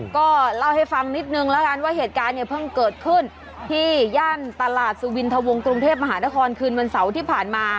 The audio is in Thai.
ก็เล่าให้ฟังนิดนึงแล้วกันว่าเหตุการณ์เนี่ยเพิ่งเกิดขึ้นที่ย่านตลาดสุวินทะวงกรุงเทพมหานครคืนวันเสาร์ที่ผ่านมา